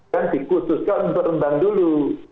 kan dikhususkan untuk rendang dulu